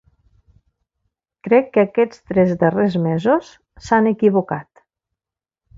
Crec que aquests tres darrers mesos s’han equivocat.